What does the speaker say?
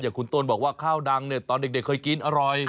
อย่างคุณโตนบอกว่าข้าวดังตอนเด็กเคยกินอร่อย